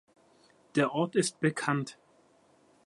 Der Ort ist bekannt.